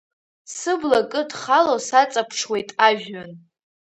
Сыбла кыдхало, саҵаԥшуеит ажәҩан.